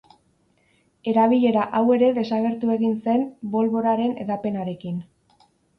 Erabilera hau ere desagertu egin zen bolboraren hedapenarekin.